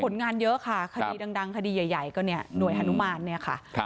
งานเยอะค่ะคดีดังคดีใหญ่ก็เนี่ยหน่วยฮานุมานเนี่ยค่ะ